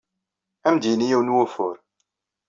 Ad am-d-yini yiwen n wufur.